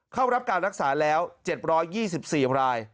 เข้ารับการรักษาแล้ว๗๒๔ราย